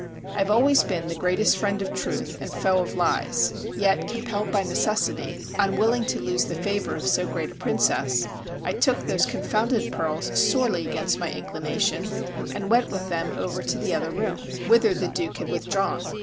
I have always been the greatest friend of truth and foe of lies; yet compelled by necessity, unwilling to lose the favor of so great a princess, I took those confounded pearls sorely against my inclination, and went with them over to the other room, whither the Duke had withdrawn.